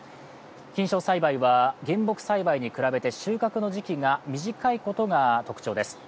菌床栽培は原木栽培に比べて収穫の時期が短いことが特徴です。